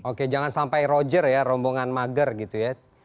oke jangan sampai roger ya rombongan mager gitu ya